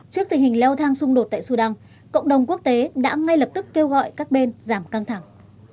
trước tình hình leo thang xung đột tại sudan cộng đồng quốc tế đã ngay lập tức kêu gọi các bên giảm căng thẳng